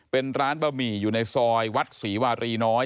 เป็นร้านบะหมี่อยู่ในซอยวัดศรีวารีน้อย